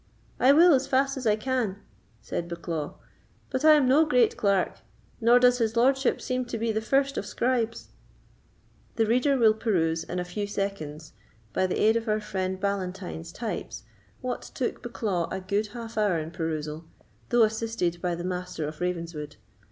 "I will as fast as I can," said Bucklaw; "but I am no great clerk, nor does his lordship seem to be the first of scribes." The reader will peruse, in a few seconds, by the aid our friend Ballantyne's types, what took Bucklaw a good half hour in perusal, though assisted by the Master of Ravenswood.